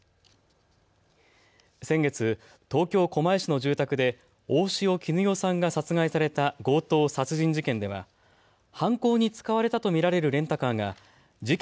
先月、東京狛江市の住宅で大塩衣與さんが殺害された強盗殺人事件では犯行に使われたと見られるレンタカーが事件